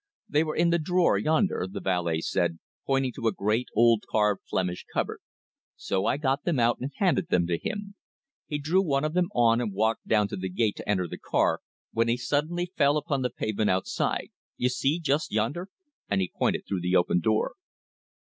They were in the drawer yonder," the valet said, pointing to a great old carved Flemish cupboard. "So I got them out and handed them to him. He drew one of them on and walked down to the gate to enter the car, when he suddenly fell upon the pavement outside. You see, just yonder," and he pointed through the open door.